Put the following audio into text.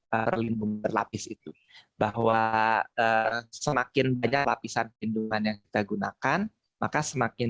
perlindungan berlapis itu bahwa semakin banyak lapisan perlindungan yang kita gunakan maka semakin